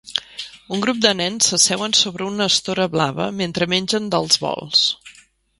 Un grup de nens s'asseuen sobre una estora blava mentre mengen dels bols.